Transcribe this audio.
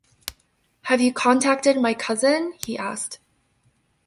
“Have you contacted my cousin?” he asked.